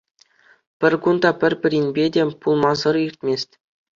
Пӗр кун та пӗр-пӗринпе тӗл пулмасӑр иртмест.